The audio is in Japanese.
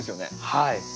はい。